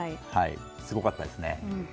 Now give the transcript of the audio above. すごかったですね。